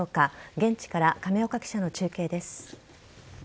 現地から亀岡記者の中継です。